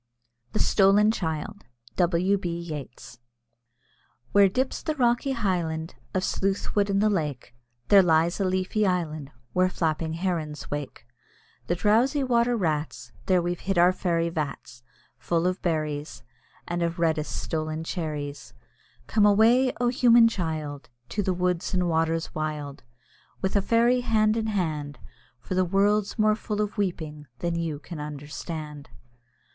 THE STOLEN CHILD. W. B. YEATS. Where dips the rocky highland Of Sleuth Wood in the lake, There lies a leafy island Where flapping herons wake The drowsy water rats. There we've hid our fairy vats Full of berries, And of reddest stolen cherries. Come away, O, human child! To the woods and waters wild, With a fairy hand in hand, For the world's more full of weeping than you can understand.